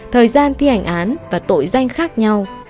thời gian thi hành án và tội danh khác nhau